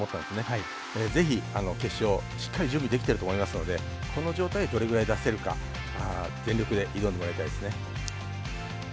ぜひ決勝しっかり準備できてると思いますのでこの状態をどれぐらい出せるか全力で挑んでもらいたいですね。